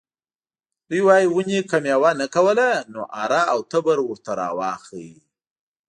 دوی وايي ونې که میوه نه کوله نو اره او تبر ورته راواخلئ.